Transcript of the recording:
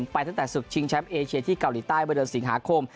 ช่วยทีมไปตั้งแต่ศึกชิงแชมป์เอเชียที่เกาหลีใต้บริเวณสิงหาคม